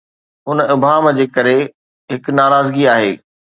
ان ابهام جي ڪري، هڪ ناراضگي آهي.